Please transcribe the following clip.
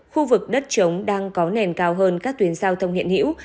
khu vực đất trống đang có nền cao hơn các tuyến giao thông hiện hữu